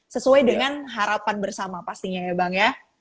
sesuai dengan harapan bersama pastinya ya bang ya